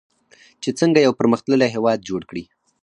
چې څنګه یو پرمختللی هیواد جوړ کړي.